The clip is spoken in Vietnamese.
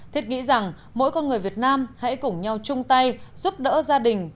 thiết nghĩ rằng mỗi con người việt nam hãy cùng nhau chung tay giúp đỡ gia đình